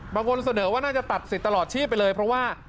บางคนเสนอว่าน่าจะตัดสิทธิ์ตลอดชีพไปเลยเพราะว่า